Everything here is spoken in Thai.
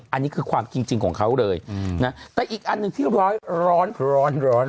อันนี้คือความจริงของเขาเลยนะแต่อีกอันหนึ่งที่ร้อนร้อน